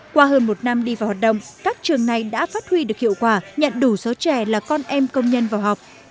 qua hơn một năm đi vào hoạt động các trường này đã phát huy được hiệu quả nhận đủ số trẻ là con em công nhân vào học